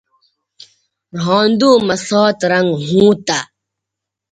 رھاندو مہ سات رنگ ھونتہ